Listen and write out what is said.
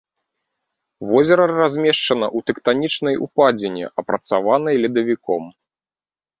Возера размешчана ў тэктанічнай упадзіне, апрацаванай ледавіком.